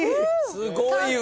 すごいわ。